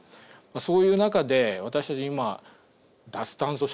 そういう中で私たち今。